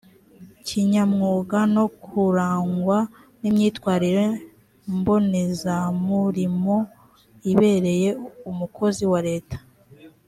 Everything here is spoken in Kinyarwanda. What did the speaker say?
kinyamwuga no kurangwa n imyitwarire mbonezamurimo ibereye umukozi wa leta